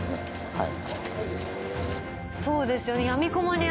はい。